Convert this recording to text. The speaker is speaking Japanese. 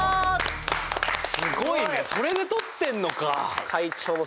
すごいねそれで取ってんのか！